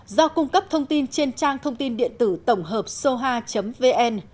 do cung cấp thông tin trên trang thông tin điện tử tổng hợp soha vn